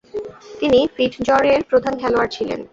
তিনি ফিটজরয়ের প্রধান খেলোয়াড় ছিলেন।